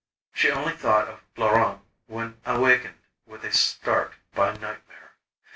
She only thought of Laurent when awakened with a start by nightmare.